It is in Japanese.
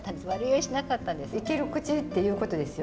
いける口っていうことですよね。